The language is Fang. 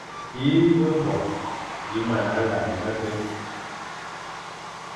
Bîe-be-bo bi mana lar mebé ;